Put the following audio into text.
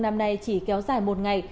năm nay chỉ kéo dài một ngày